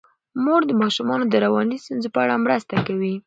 مور د ماشومانو د رواني ستونزو په اړه مرسته کوي.